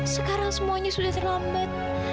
sekarang semuanya sudah terlambat